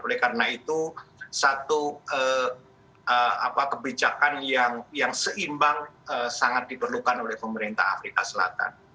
oleh karena itu satu kebijakan yang seimbang sangat diperlukan oleh pemerintah afrika selatan